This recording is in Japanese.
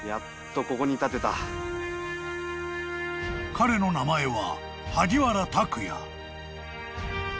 ［彼の名前は］